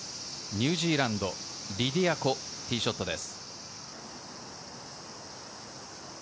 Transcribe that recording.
続いてニュージーランド、リディア・コ、ティーショットです。